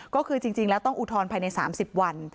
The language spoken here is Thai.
ก็คือจริงแล้วต้องอุทธรณ์ภายใน๓๐วัน